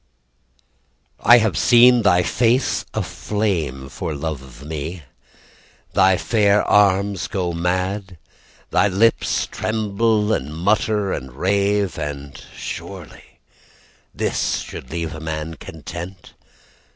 I have seen thy face aflame For love of me, Thy fair arms go mad, Thy lips tremble and mutter and rave. And surely This should leave a man content?